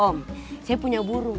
om saya punya burung